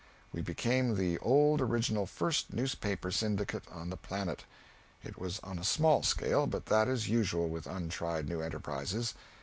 We became the old original first Newspaper Syndicate on the planet; it was on a small scale, but that is usual with untried new enterprises.